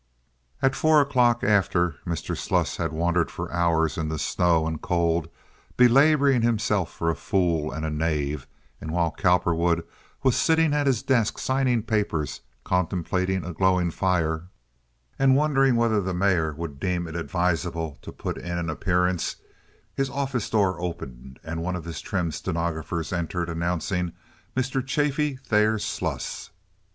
At four o'clock, after Mr. Sluss had wandered for hours in the snow and cold, belaboring himself for a fool and a knave, and while Cowperwood was sitting at his desk signing papers, contemplating a glowing fire, and wondering whether the mayor would deem it advisable to put in an appearance, his office door opened and one of his trim stenographers entered announcing Mr. Chaffee Thayer Sluss.